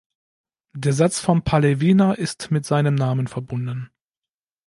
Der Satz von Paley-Wiener ist mit seinem Namen verbunden.